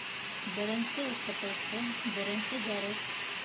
Беренсе уҡытыусы, беренсе дәрес